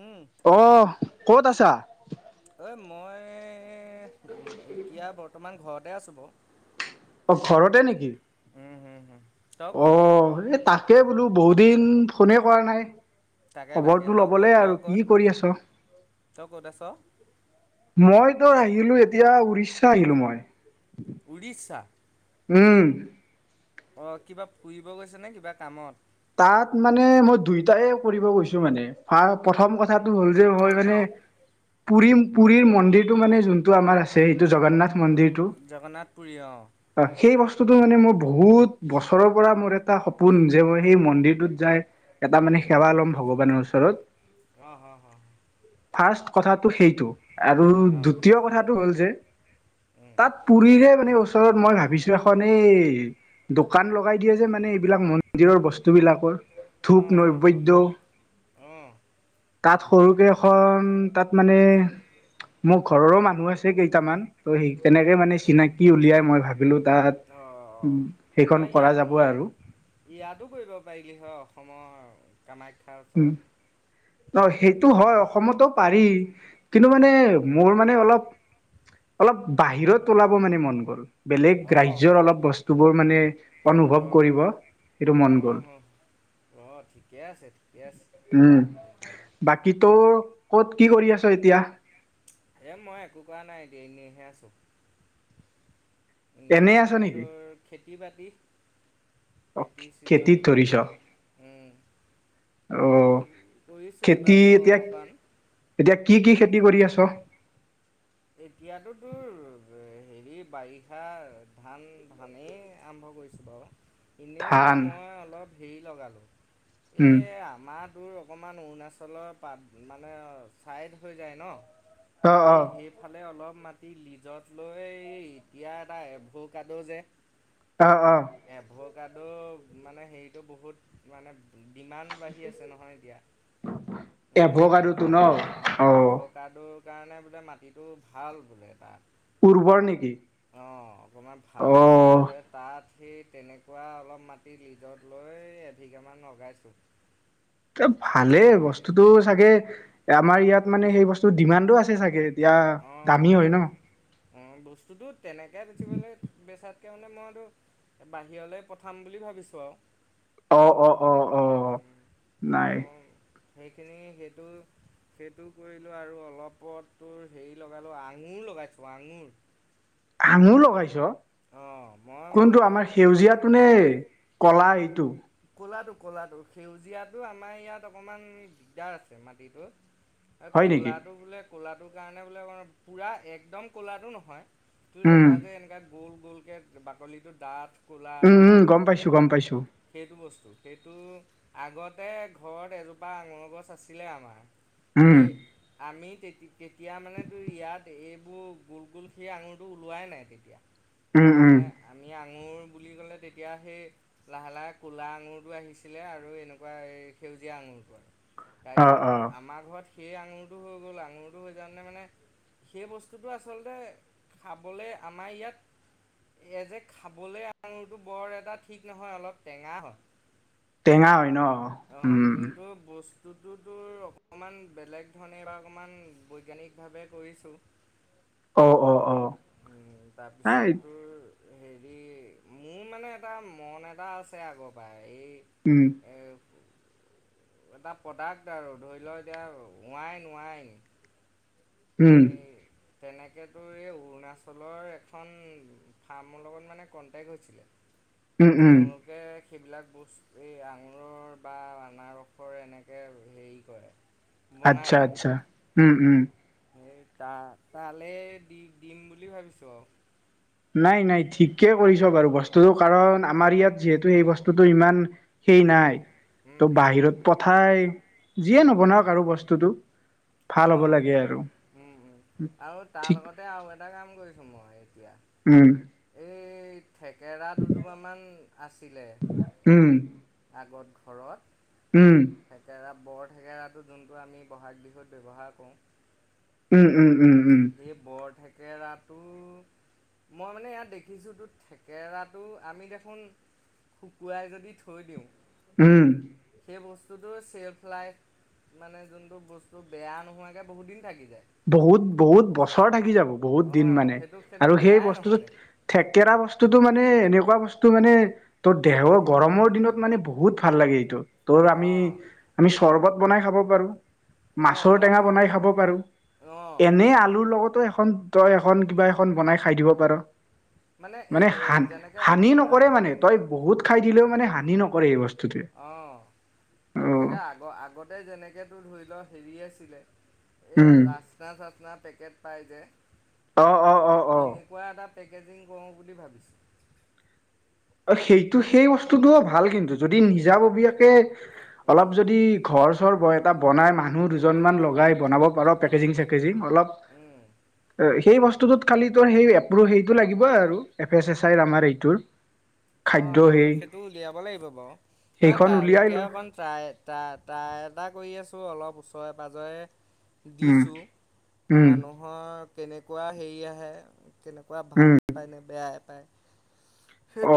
উম, অহ কত আছা? ঐ মই, এতিয়া বৰ্তমান ঘৰতে আছোঁ বাৰু। অ ঘৰতে নেকি? উম, হুম, হুম। তই অ ক'ত? এই তাকে বোলো, বহুত দিন ফোনে কৰা নাই। তাকে তাকে খবৰটো তই ক'ত ল'বলে তই আৰু, ক'ত কি কৰি আছ। তই ক'ত আছ? মই তো আহিলো এতিয়া, উৰিষ্যা আহিলো মই। উৰিষ্যা। উম। অ কিবা ফুৰিব গৈছে নে, কিবা কামত। তাত মানে মই দুইটাই কৰিব গৈছো মানে, প্ৰথম কথা, কথাটো হ'ল যে মই মানে পুুৰী, পুৰীৰ মন্দিৰটো মানে যোনটো আমাৰ আছে, সেইটো জগন্নাথ মন্দিৰটো, জগন্নাথ পুৰী অ' সেই বছ বস্তটো মানে মোৰ বহুত বছৰৰ পৰা মোৰ এটা সপোন যে মই সেই মন্দিৰটোত যাই এটা মানে সেৱা ল'ম ভগৱানৰ ওচৰত। আহ, হ, হ। ফাৰ্ষ্ট কথাটো সেইটো আৰু অ', দ্বিতীয় কথাটো হ'ল যে উম, তাত পুুৰীৰে মানে অ ওচৰত মই ভাবিছিলোঁ এখন এই দোকান লগাই দিয়ে যে মানে এইবিলাক মন্দিৰৰ বছ অ', অ', অ', অ'। [unintelligible] সৰুকৈ এখন তাত মানে মোৰ ঘৰৰো মানুহ আছে কেইটামান ত' সেইকাৰণে এই মানে চিনাকি উলিয়াই মই ভাবিলোঁ তাত উ সেইখন তই কৰা ইয়াত যাব ইয়া আৰু ইয়াতো কৰিব পাৰিলি হয় অসমৰ কামাখ্যাৰ উম ওচৰত। ত' সেইটো হয়। অসমতো পাৰি কিন্তু উম, মানে মোৰ মানে অলপ, অলপ বাহিৰত ওলাব মানে মন গ'ল। বেলেগ অ', হ, ৰাজ্যৰ অলপ বস্তুবোৰ মানে অনুভৱ অ', কৰিব সেইটো মন অ', গ'ল। হ, অ, ঠিকে আছে, ঠিকে আছে। উম বাকী তোৰ ক'ত কি কৰি আছ এতিয়া? এ মই একো কৰা নাই এতিয়া, এনেই হে আছোঁ। এনেই আছ মানে নেকি? তোৰ খেতি বাতিত। অ খেতি ছিজন, খেতিত ধৰিছ উম। অ সটো কৰিছোঁ খেতি এইবাৰ ব এতিয়া অলপমান। এতিয়া কি খেতি কি কৰি আছ? এতিয়াতো তোৰ হেৰি বাৰিষাৰ ধান ধানেই আৰম্ভ [unintelligible] বাৰু এনেইতো ধান মই অলপ হেৰি লগালোঁ উম এই আমাৰ তোৰ অকণমান অৰুণাচলৰ পাত মানে ছাইড হৈ যায় ন? অ, সেই অ। সেইফালে অলপ মাটি লিজত লৈ এতিয়া এটা এভো কাদো যে অঁ অঁ। তাদ মানে হেৰিটো বহুত মানে ডিমাণ্ড বাঢ়ি আছে নহয় এতিয়া। মই এভো এভ গাদো তো ন? অ' সেইকাৰণে বোলে মাটিটো ভাল বোলে উৰ্বৰ নেকি তাত অ' অকমান ভাল বুলি অ কলে তা'ত সেই তেনেকুৱা অলপ মাটি লিজত লৈ এভিঘামান লগাইছোঁ। এ ভালেই বস্তুতটো চাগে আমাৰ ইয়াত মানে সেই বস্তু ডিমাণ্ডো আছে চাগে এতি এ দামী হয় ন। অ', বস্তুটো তেনেকৈ উঠিবলৈ বেচাত তে মানে মইতো বাহিৰলৈ পঠাম বুলি ভাবিছোঁ আৰু অ', অ',। অ অ উম নাই আৰু সেইখিনি সেইটো সেইটো কৰিলোঁ আৰু অলপ তোৰ হেৰি লগালোঁ আঙুৰ লগাইছোঁ আঙুৰ। আঙুৰ লগাইছ অ' মই মানে কোনটো তোৰ আমাৰ হে সেউজীয়াটোনে ক'লা এইটো। ক'লাটো ক'লাটো সেউজীয়াটো আমাৰ ইয়াত অকণমান দিগদাৰ আছে মাটিটো হয় নেকি ক'লাটো বোলে ক'লাটো কাৰণে বোলে পুৰা একদম ক'লাটো নহয়। তোৰ উম এটা যে এনেকা গ'ল গ'লকে বাকলিটো ডাঠ ক'লা উম, এটা উম পায় গম পাইছো গম পাইছোঁ। সেইটো বস্তু সেইটো আগতে ঘৰত এজোপা আঙুৰ গছ আছিলে আমাৰ। উম সেই আমি তেতি তেতিয়া মানেতো ইয়াত এইবোৰ গোল গোল খীৰ আঙুৰটো ওলোৱাই নাই তেতিয়া উম ততিয়া উম মানে আমি আঙুৰ বুলি ক'লে তেতিয়া সেই লাহে লাহে ক'লা আঙুৰটো আহিছিলে আৰু এনেকুৱা এই সেউজীয়া আঙুৰটো আৰু অ অ তাৰপিছত আমাৰ ঘৰত সেই আঙুৰটো হৈ গ'ল আঙুৰটো হৈ যাওঁতে মানে সেই বস্তুটো আচলতে খাবলৈ আমাৰ ইয়াত এই যে খাবলে আঙুৰটো বৰ এটা ঠিক নহয় অলপ টেঙা হয় টেঙা হয় ন। অ', উম কিন্তু বস্তুটো তোৰ অ',। অকণমান বেলেগ ধৰণে বা অকণমান বৈজ্ঞানিকভাৱে কৰিছোঁ। অ', অ'', অ',। উম তাৰপিছত তোৰ হেৰি মোৰ মানে এটা মন এটা আছে আগৰ পৰাই এই উম এ, এটা প্ৰডাক্ট আৰু ধৰি লওক এতিয়া হোৱাইন ওৱাইন। উম। তেনেকেতো এই অৰুণাচলৰ এখন ফাৰ্মৰ লগত মানে কণ্টেক্ট হৈছিলে। উম উম তেওঁলোকে সেইবিলাক বস্তু এই আঙুৰৰ বা আনাৰসৰ এনেকৈ হেৰি কৰে। বনাই আচ্ছা, মানে আচ্ছা উম, উম। সেই তা তালৈ দি দিম বুলি ভাবিছোঁ আৰু। নাই, নাই ঠিকেই কৰিছ বাৰু বস্তুটো কাৰণ আমাৰ ইয়াত যিহেতু সেই বস্তুটো ইমান সেই উম নাই উম ত' হুম হুম বাহিৰত পঠাই যিয়ে উম নবনাওক আৰু বস্তুটো ভাল হ'ব অঁ লাগে আৰু। উম উম আৰু তাৰ ঠিক লগতে আৰু এটা কাম কৰিছো মই এতিয়া উম। এই থেকেৰা দুজোপামান আছিলে উম আগত ঘৰত উম থেকেৰা বৰ থেকেৰাটো যোনটো আমি বহাগ বিহুত ব্যৱহাৰ কৰোঁ উম, উম, উম। উম সেই বৰ থেকেৰাটো মই মানে ইয়াত দেখিছোঁতো থেকেৰাটো আমি দেখোন শুকুৱাই যদি থৈ দিওঁ। উম। সেই বস্তুটো চেল্ফ লাইফ মানে যোনটো বস্তু বেয়া নোহোৱাকৈ বহুত দিন থাকি যায়। বহুত, বহুত বছৰ থাকি যাব। বহুত দিন অঁ মানে সেইটো সেইটো আৰু সেই বেয়াই নহয় বস্তুটোত দেখোন থেকেৰা বস্তু টো মানে এনেকুৱা বস্তু মানে, তোৰ অঁ দেহৰ গৰমৰ দিনত মানে বহুত ভাল লাগে এইটো। তৰ আমি অঁ আমি চৰ্বত বনাই খাব পাৰো, অঁ মাছৰ মই টেঙা বনাই খাব পাৰো। অঁ এনে আলুৰ লগতো এখন, তই এখন কিবা এখন বনাই খাই দিব পাৰ। এই মানে হান যেনেকৈ হানি নকৰে মানে তই বহুত খাই দিলেও মানে হানি নকৰে এই বস্তু অ' তেনেকে আগ আগতে যেনেকেতো ধৰি লও হেৰি আছিলে। এইয়া উম ৰাচনা- চাচনা পেকেট পাই যে অ অ অ সেই অ তেনেকুৱা এটা পেকেজিং কৰো বুলি ভাবিছো। অ' সেইটো সেই বস্তুটোও ভাল কিন্তু যদি নিজাববীয়াকে অলপ যদি ভাবিছোঁ ঘৰ-চৰ ব এটা বনাই মানুহ দুজনমান লগাই বনাব পাৰ, কেটেৰিং-চেটেৰিং অলপ সেই বস্তুটোত খালি তোৰ সেই এপ্ৰ সেইটো লাগিব আৰু এফ এছ এছ আই আমাৰ এইটোৰ। খাদ্য অ' সেইটো সেই সেইটো উলিয়াব লাগিব বাৰু নহ সেইখন তাৰ উলিয়াই ল এতিয়া অকণ তাই ত তাই তাক কৰি আছো অলপ ওচৰে পাঁজৰে উম দিছো উম মানুহৰ কেনেকুৱা হেৰি আহে কেনেকুৱা উম ভালেই পায়নে, বেয়াই পায়।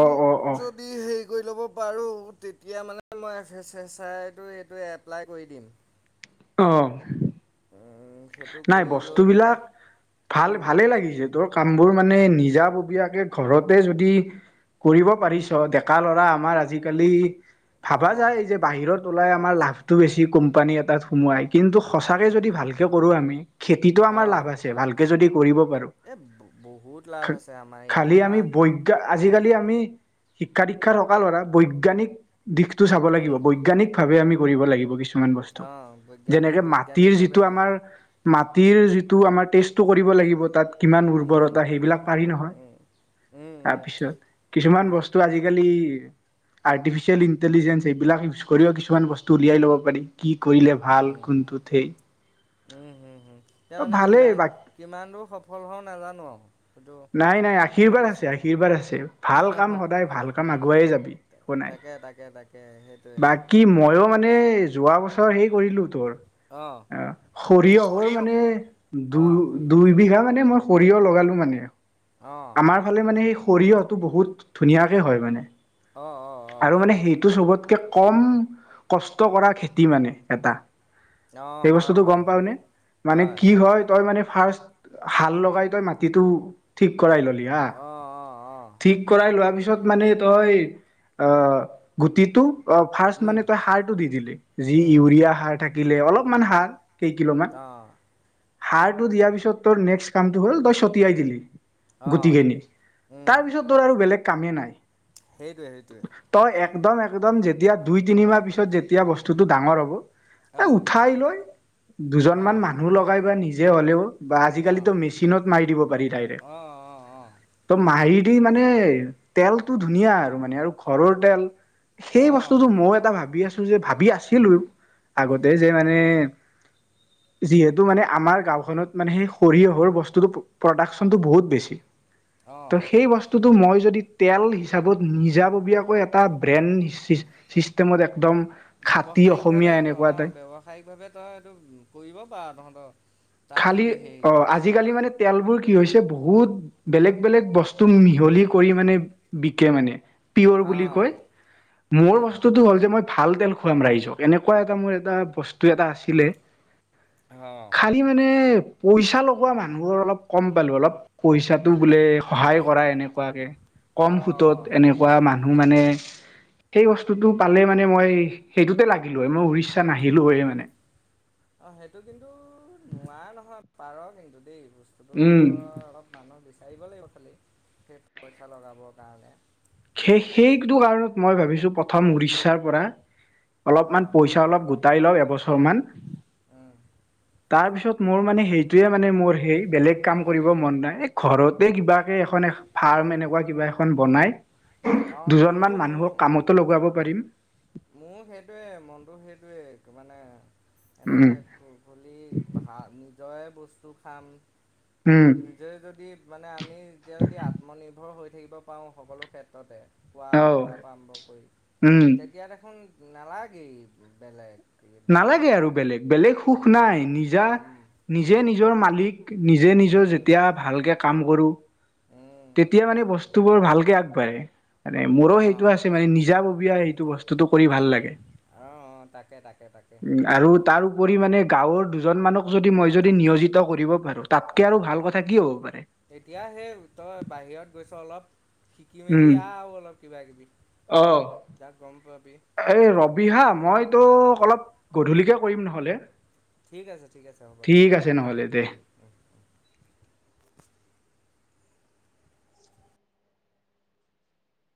অ অ অ যদি সেই কৰি ল'ব পাৰো তেতিয়া মানে মই এফ এছ এছ আইটো এইটো এপ্লাই কৰি দিম। অহ। সেইটো নাই কৰি বস্তু লৈ পেলাই বিলাক ভাল ভালে লাগিছে, তোৰ কামবোৰ মানে নিজে নিজাববীয়াকে ঘৰতে যদি কৰিব পাৰিছ ডেকা ল'ৰা, আমাৰ আজিকালি ভাবা অঁ যায় যে বাহিৰত তলাই আমাৰ লাভটো বেছি কোম্পানী এটাত সোমোৱাই কিন্তু সঁচাকে অঁ যদি ভালকে কৰো আমি। খেতিটো আমাৰ অঁ লাভ আছে, ভালকে যদি কৰিব পাৰো। এই বহুত লাভ আছে আমাৰ ইয়াৰ খালি আমি আমাৰ বৈজ্ঞানিক আজিকালি আমি শিক্ষা, দীক্ষাত থকা ধৰা বৈজ্ঞানিক দিশতটো চাব লাগিব বৈজ্ঞানিক ভাৱে আমি কৰিব লাগিব কিছুমান বস্তু, অঁ যেনে বৈজ্ঞানিক মাটিৰ বৈজ্ঞানিকভাৱে যিটোৰ কৰিব আমাৰ, মা তিৰ যিটো আমাৰ টেষ্টটো কৰিব লাগিব তাত কিমান উম উৰ্বৰতা সেইবিলাক পাৰি নহয়। উম উম উম তাৰপিছত কিছুমান বস্তু সেইটোৱে আজিকালি আৰ্টিফিচিয়েল ইন্টিজেঞ্চ এইবিলাক ইউজ কৰিও কিছুমান বস্তু উলিয়াই ল'ব পাৰি কি কি কৰিলে ভাল উম কোনটোত সেই এতিয়া মানে ভালেই কিমান, বা কিমান দূৰ সফল হওঁ নাজানো আৰু সেইটো নাই, নাই আশীৰ্বাদ আছে, ভাবিছোঁ আশীৰ্বাদ আছে। ভাল কাম, সদায় ভাল কাম আগুৱাই যাবি। তাকে তাকে তাকে সেইটোৱে বাকী ময়ো মানে যোৱা বছৰ হেই কৰিলো তোৰ অঁ অ' সৰিয়হৰ সৰিয়হ মানে দুই অঁ দুইবিঘা মানে মানে মই সৰিয়হ লগালো মানে অঁ আমাৰ ফালে মানে সেই সৰিয়হটো বহুত ধুনীয়াকে হয় মানে। অঁ অঁ অঁ আৰু অঁ মানে সেইটো চবতকে কম কষ্ট কৰা খেতি মানে এটা। অঁ সেই হয় বস্তুতটো গম হয় হয় পাওনে মানে কি হয় তই মানে ফাৰ্ষ্ট হাল লগাই তই মাটিতো ঠিক কৰাই ললি হা অঁ অঁ অঁ ঠিক কৰাই লোৱা পিছত পিছত মানে তই আহ গুটিটো অ' ফাৰ্ষ্ট উম মানে তই সাৰটো দি দিলি, যি উম ইউৰিয়া সাৰ থাকিলে অলপমান সাৰ কেই কিলো মান অঁ সাৰটো দিয়াৰ পিছত তোৰ নেক্সট কামটো হ'ল তই ছটিয়াই দিলি। অঁ গুটিখিনি উম তাৰ পিছত তৰ আৰু বেলেগ কামেই নাই। সেইটোৱে, সেইটোৱে। তই একদম, একদম যেতিয়া দুই, তিনিমাহ পিছত যেতিয়া বস্তুটো ডাঙৰ হ'ব। এ অঁ উঠাই লৈ দুজনমান অঁ মানুহ লগাই বা নিজে হ'লেও বা অঁ আজিকালিতো মেচিনত মাৰি দিব পাৰি ডাইৰেক্ট অঁ অঁ অঁ ত' মাৰি দি মানে তেলটো ধুনীয়া আৰু মানে আৰু ঘৰৰ তেল। সেই অ', বস্তুতটো মই এটা ভাবি আছো যে ভাবি আছিলো। আগতে উম। যে মানে যিহেতু মানে আমাৰ গাঁওখনত মানে সেই সৰিয়হৰ বস্তুতটো প্ৰডাক্চনতটো বহুত বেছি অ', সেই বস্তু মই যদি তেল হিচাপত নিজাববীয়াকৈ এটা ব্ৰেন ছিষ্টেমত একদম খাটি ব্যৱসায়িক অসমীয়া ভাৱে অ এনেকুৱা এটাই ব্যৱসায়িক ভাৱে তই এইটো কৰিব পাৰ তহঁতৰ। তাত খালি যদি হেৰিটো অ' আছে। আজিকালি মানে তেলবোৰ কি হৈছে বহুত বেলেগ-বেলেগ বস্তু মিহলি কৰি মানে বিকে মানে। পিয়ৰ বুলি অ', কয় মোৰ অ', বস্তুটো হ'ল যে মই ভাল তেল খুৱাম ৰাইজক এনেকুৱা এটা মোৰ এটা বস্তু এটা আছিলে। অ', খালি মানে পইচা লগোৱা মানুহৰ অলপ কম পালো অলপ পইচাটো বোলে সহায় কৰাই। এনেকুৱাকে কম সুতত অ', সেইটো এনেকুৱা মানুহ মানে সেই বস্তুতটো পালে মানে মই সেইটোতে লাগিলো মই উৰিছো। সেইটো অ' সেইটো কিন্তু নোৱাৰা নহয় পাৰ কিন্তু দেই। বস্তুটোতো উম। অলপ মানুহ বিচাৰিব লাগিব খালি সেই পইচা লগাবৰ কাৰণে। সেই-সেইটো কাৰণত মই ভাবিছো প্ৰথম উৰিষ্যাৰ পৰা। অলপমান অ', পইচা অলপ গোটাই লওঁ এবছৰ মান উম, তাৰপিছত মোৰ মানে সেইটোৱে মানে মোৰ সেই বেলেগ কাম কৰিব মন নাই এই ঘৰতে কিবাকে এখন, ফাৰ্ম এনেকুৱা কিবা এখন বনাই। অ', মোৰো দুজনমান মোৰ মানুহক কামতো লগাব পাৰিম। মোৰ সেইটোয়ে মনটো সেইটোৱে মানে উম এনেকে খুলি ভা নিজৰে বস্তু খাম। উম নিজে যদি মানে আমি যেতিয়া যদি আত্মনিৰ্ভৰ হৈ থাকিব পাৰোঁ সকলো ক্ষেত্ৰতে, খোৱা অ বোৱা পৰা আৰম্ভ কৰি উম তেতিয়া দেখোন নালাগেই বেলেগ কিবা নালাগে আৰু বেলেগ-বেলেগ সুখ উম নাই নিজা উম নিজে নিজৰ মালিক। নিজে নিজৰ উম যেতিয়া ভালকে কাম কৰো উম তেতিয়া মানে বস্তুবোৰ ভাল। কে আগবাৰে। মানে মোৰো অঁ সেইটো আছে মানে নিজাববীয় সেইটো বস্তুটো কৰি ভাল লাগে। অঁ অঁ তাকে তাকে তাকে উ আৰু তাৰ উপৰি মানে গাঁৱৰ দুজন মানক যদি মই যদি নিয়োজিত কৰিব পাৰো। তাতকে আৰু ভাল কথা কি হ'ব পাৰে এতিয়া সেই তই বাহিৰত গৈছ অলপ শিকি মেলি উম আহ অলপ কিবা কিবি অহ তাক গম পাবি। এই ভালকৈ ৰবিহা মইতো অঁ অলপ গধূলিকে কৰিম নহ'লে। ঠিক আছে ঠিক আছে হ'ব দে। ঠিক আছে নহ'লে দে